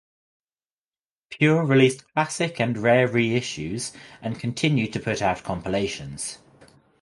Pure released classic and rare reissues and continued to put out compilations.